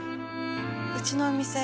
うちのお店